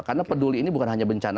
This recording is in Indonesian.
karena peduli ini bukan hanya bencana